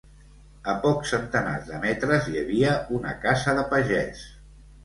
A pocs centenars de metres hi havia una casa de pagès